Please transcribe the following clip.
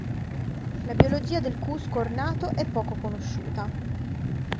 La biologia del cusco ornato è poco conosciuta.